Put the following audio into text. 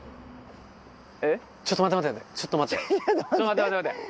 ちょっと待って待ってちょっと待って。